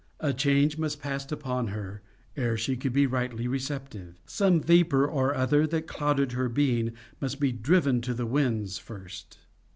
A change must pass upon her ere she could be rightly receptive. Some vapour or other that clouded her being must be driven to the winds first.